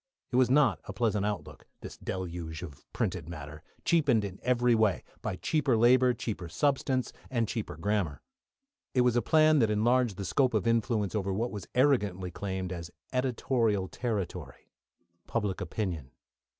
It was not a pleasant outlook, this deluge of printed matter, cheapened in every way, by cheaper labour, cheaper substance, and cheaper grammar. It was a plan that enlarged the scope of influence over what was arrogantly claimed as editorial territory public opinion.